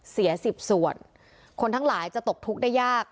เสียสิบส่วนคนทั้งหลายจะตกทุกข์ได้ยาก